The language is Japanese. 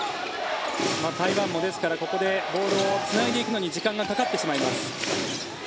台湾もですからここでボールをつないでいくのに時間がかかってしまいます。